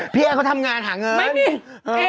พี่แอนเขาทำงานหาเงินไม่มี